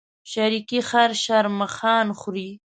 شريکي خر شرمښآن خوري.